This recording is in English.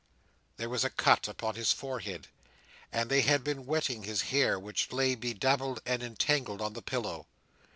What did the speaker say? There was a cut upon his forehead, and they had been wetting his hair, which lay bedabbled and entangled on the pillow.